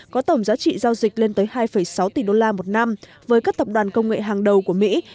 có tổng giá trị giao dịch lên tới hai sáu tỷ đô la một năm với các tập đoàn công nghệ hàng đầu của mỹ